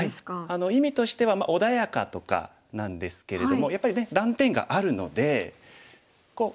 意味としては穏やかとかなんですけれどもやっぱりね断点があるのでこう守るなら自然なんですけれども。